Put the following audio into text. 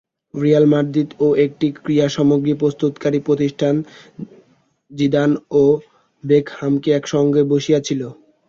Real Madrid ও একটি ক্রীড়াসামগ্রী প্রস্তুতকারী প্রতিষ্ঠান জিদান ও বেকহামকে একসঙ্গে বসিয়েছিল।